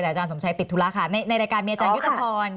แต่อาจารย์สมชัยติดธุระในรายการเมียอจารย์ยุธพร